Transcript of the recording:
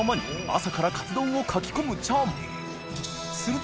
朝からカツ丼をかき込むチャン磴垢襪函帖△